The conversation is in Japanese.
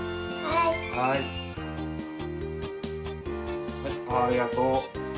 はいありがとう。